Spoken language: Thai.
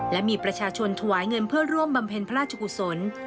และมีประชาชนถวายเงินเพื่อร่วมบำเพ็ญพระราชกุศล